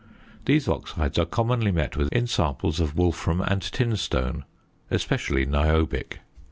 These oxides are commonly met with in samples of wolfram and tinstone, especially niobic.